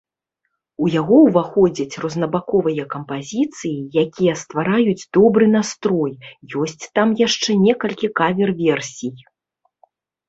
У яго ўваходзяць рознабаковыя кампазіцыі, якія ствараюць добры настрой, ёсць там яшчэ некалькі кавер-версій.